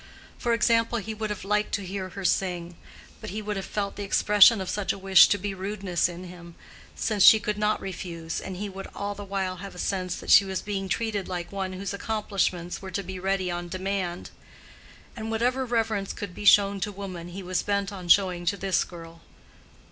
For example, he would have liked to hear her sing, but he would have felt the expression of such a wish to be rudeness in him—since she could not refuse, and he would all the while have a sense that she was being treated like one whose accomplishments were to be ready on demand. And whatever reverence could be shown to woman, he was bent on showing to this girl.